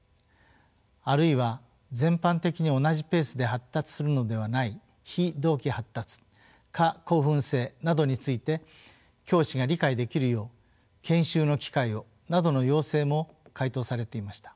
あるいは全般的に同じペースで発達するのではない非同期発達過興奮性などについて教師が理解できるよう研修の機会をなどの要請も回答されていました。